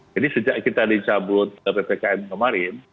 jadi sejak kita dicabut ppkm kemarin